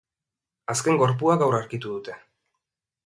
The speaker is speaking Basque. Azken gorpua gaur aurkitu dute.